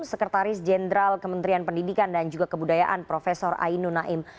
sekretaris jenderal kementerian pendidikan dan juga kebudayaan prof ainu naim